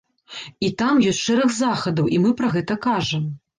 І там ёсць шэраг захадаў, і мы пра гэта кажам.